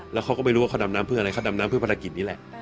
แล้วเขาก็ไม่รู้ว่าเขาดำน้ำเพื่ออะไรเขาดำน้ำเพื่อภารกิจนี่แหละ